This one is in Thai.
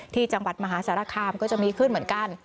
ที่จังหวัดมหาสารคามก็จะมีขึ้นเหมือนกัน